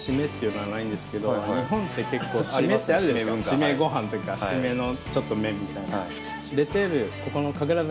シメご飯とかシメのちょっと麺みたいな。